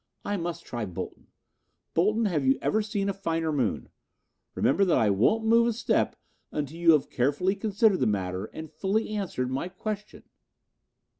I must try Bolton. Bolton, have you ever seen a finer moon? Remember that I won't move a step until you have carefully considered the matter and fully answered my question."